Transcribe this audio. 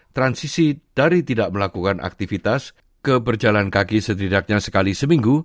transisi dari tidak melakukan aktivitas ke berjalan kaki setidaknya sekali seminggu